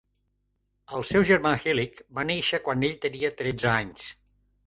El seu germà Hilik va néixer quan ell tenia tretze anys.